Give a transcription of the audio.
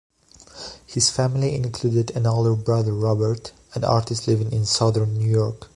His family included an older brother Robert, an artist living in southern New York.